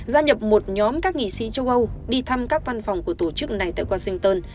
gia nhập một nhóm các nghị sĩ châu âu đi thăm các văn phòng của tổ chức này tại washington